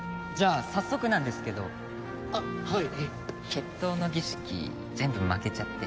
決闘の儀式全部負けちゃって。